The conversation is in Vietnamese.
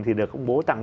thì được bố tặng